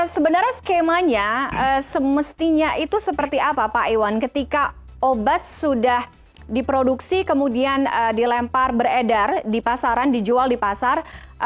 sebenarnya skemanya semestinya itu seperti apa pak iwan ketika obat sudah diproduksi kemudian dilempar beredar di pasaran dijual di pasar